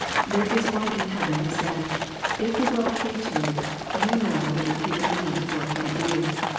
There is One in heaven who said, " If the world hatejou, ye know that it hated Me before it hated you."